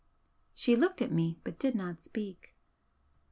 She looked at me, but did not speak.